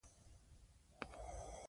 هغه د پاکستان د ولسي جرګې غړی شو.